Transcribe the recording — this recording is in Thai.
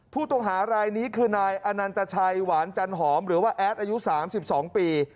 ผู้ต้องหารายนี้คือนายอนันตชัยหวานจันหอมหรือว่าแอดอายุ๓๒ปี